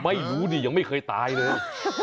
ไม่รู้นี่ยังไม่เคยตายเลย